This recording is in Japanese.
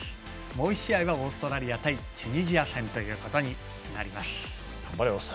もう１試合はオーストラリア対チュニジア戦ということになります。